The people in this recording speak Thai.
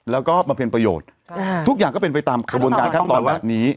แล้วก็บำเพ็ญประโยชน์ทุกอย่างก็เป็นไปตามกระบวนการขั้นตอนแบบนี้